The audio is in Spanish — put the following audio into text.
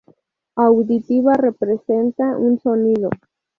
Auditiva representa un sonido.